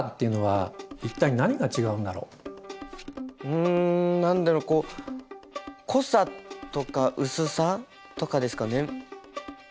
うん何だろう濃さとか薄さとかですかね？